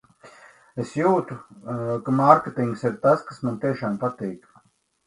Es jūtu, ka mārketings ir tas, kas man tiešām patīk.